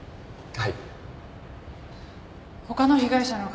はい。